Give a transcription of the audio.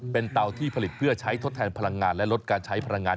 เป็นเตาที่ผลิตเพื่อใช้ทดแทนพลังงานและลดการใช้พลังงาน